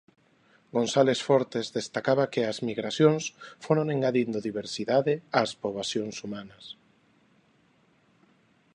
González Fortes destacaba que "as migracións foron engadindo diversidade ás poboacións humanas".